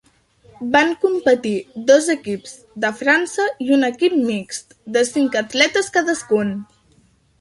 Van competir dos equips, de França i un equip mixt, de cinc atletes cadascun.